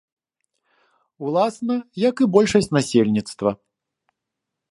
Уласна, як і большасць насельніцтва.